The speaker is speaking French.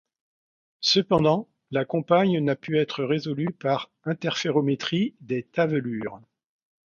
Cependant, la compagne n'a pu être résolue par interférométrie des tavelures.